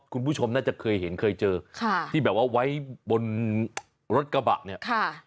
คุณผู้ชมน่าจะเคยเห็นเคยเจอค่ะที่แบบว่าไว้บนรถกระบะเนี่ย